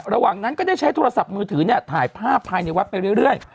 ระหว่างนั้นก็ได้ใช้โทรศัพท์มือถือถ่ายภาพภายในวัดไปเรื่อย